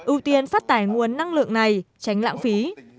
ưu tiên phát tải nguồn năng lượng này tránh lãng phí